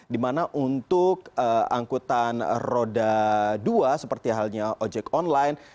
dimana untuk angkutan roda dua seperti halnya ojek online